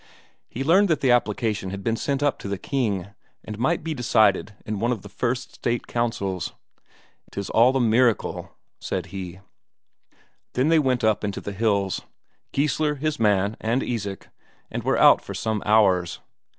He learned that the application had been sent up to the King, and might be decided in one of the first State Councils. "'Tis all a miracle," said he. Then they went up into the hills; Geissler, his man, and Isak, and were out for some hours.